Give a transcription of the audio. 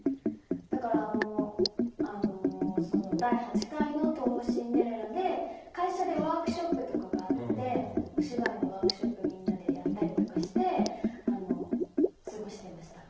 だから、第８回の東宝シンデレラで会社でワークショップとかがあってお芝居のワークショップをみんなでやったりとかして過ごしてました。